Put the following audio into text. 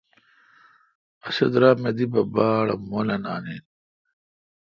اسی درام می دی پہ باڑ اؘمولانان این۔